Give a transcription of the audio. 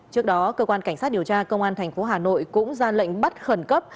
trước đó cơ quan cảnh sát điều tra công an tp hà nội cũng ra lệnh bắt khẩn cấp